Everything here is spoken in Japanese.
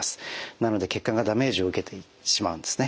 なので血管がダメージを受けてしまうんですね。